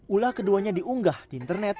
ulah keduanya diunggah di internet